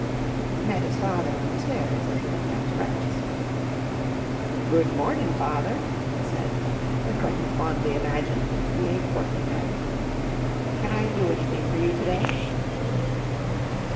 He met his father on the stairs as he went down to breakfast. "Good mornin', Father," he said, with what he fondly imagined to be a courtly manner. "Can I do anything for you to day?"